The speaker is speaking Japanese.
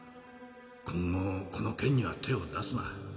今後この件には手を出すな。